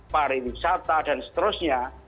pariwisata dan seterusnya